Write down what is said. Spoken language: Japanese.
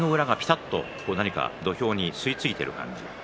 足の裏がぴたっと、土俵に吸いついている感じ